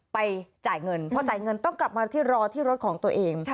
ไปจ่ายเงินพอจ่ายเงินต้องกลับมาที่รอที่รถของตัวเอง